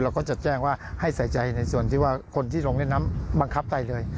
ก็จะแจ้งว่าให้ใส่ใจในส่วนที่ว่าคนที่ลงเล่นน้ำบังคับใจเลย